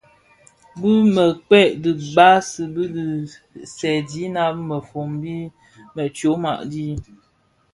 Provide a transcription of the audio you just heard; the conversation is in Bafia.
Bi mpërkë dibasi di bisèèdina bi mëfombi më bi tyoma di.